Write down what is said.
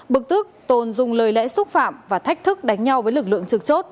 bực tức tồn dùng lời lẽ xúc phạm và thách thức đánh nhau với lực lượng trực chốt